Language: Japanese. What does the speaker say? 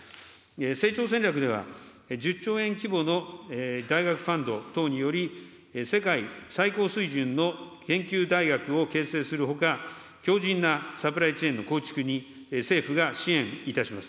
成長戦略では１０兆円規模の大学ファンド等により、世界最高水準の研究大学を形成するほか、強じんなサプライチェーンの構築に政府が支援いたします。